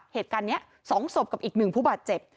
เหตุการณ์นี้๒ศพกับอีก๑ผู้บาดเจ็บ